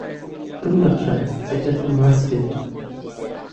ببمبەخشە کچەکەتم ماچ کرد